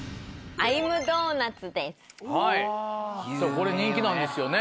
これ人気なんですよね。